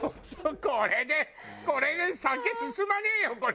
これで酒進まねえよこれ！